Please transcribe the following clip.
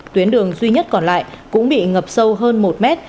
tuyến đường duy nhất còn lại cũng bị ngập sâu hơn một mét